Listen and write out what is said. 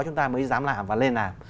chúng ta mới dám làm và lên làm